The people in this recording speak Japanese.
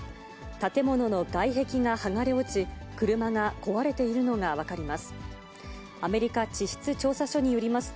建物の外壁が剥がれ落ち、車が壊れているのが分かります。